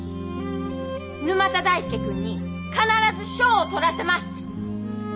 沼田大介君に必ず賞を取らせます！